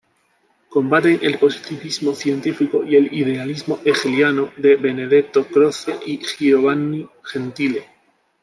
Combaten el positivismo científico y el idealismo hegeliano de Benedetto Croce y Giovanni Gentile.